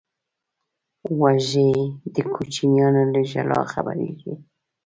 وزې د کوچنیانو له ژړا خبریږي